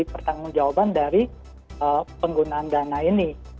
pertanggung jawaban dari penggunaan dana ini